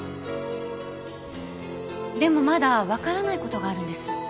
でもまだ分からないことがあるんです。